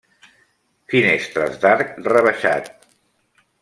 Finestres d'arc rebaixat.